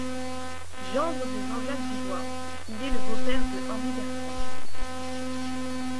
Gendre de Jean-Jacques Duboys, il est le beau-père de Henri Bertrand.